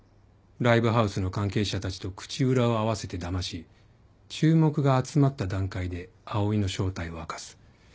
ライブハウスの関係者たちと口裏を合わせてだまし注目が集まった段階でＡＯＩの正体を明かす。